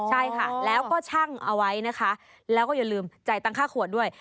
ใช่ค่ะแล้วก็ชั่งเอาไว้นะคะแล้วก็อย่าลืมจ่ายตังค่าขวดด้วย